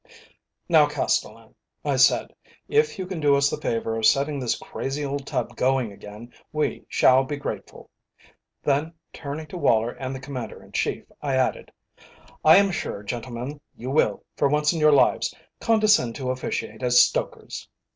"Now, Castellan," I said, "if you can do us the favour of setting this crazy old tub going again, we shall be grateful." Then turning to Woller and the Commander in Chief, I added: "I am sure, gentlemen, you will, for once in your lives, condescend to officiate as stokers."